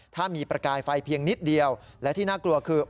ถ้ามีประกายไฟเพียงนิดเดียวและที่น่ากลัวคือ